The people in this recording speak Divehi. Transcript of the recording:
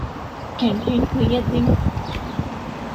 ކެންޓީން ކުއްޔަށްދިނުން